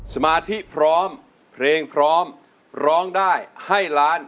สมาธิพร้อมเพลงพร้อมร้องได้ให้ล้าน